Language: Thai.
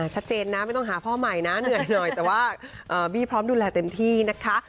ชัดเจนนะไม่ต้องหาพ่อใหม่นะเหนื่อยหน่อยแต่ว่าบี้พร้อมดูแลเต็มที่นะคะ